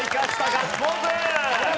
ガッツポーズ！